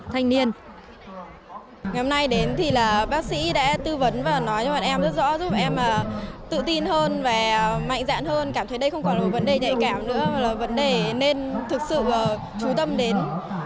ngày hôm nay đến thì là bác sĩ đã tư vấn và nói cho bạn em rất rõ giúp em tự tin hơn và mạnh dạn hơn cảm thấy đây không còn là một vấn đề nhạy cảm nữa mà là vấn đề nên thực sự trú tâm đến